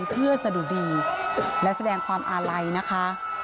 เพื่อสะดุดีและแสดงความอาลัยนะคะ